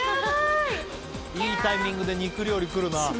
いいタイミングで肉料理来るな。